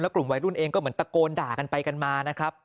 กลุ่มวัยรุ่นเองก็เหมือนตะโกนด่ากันไปกันมานะครับ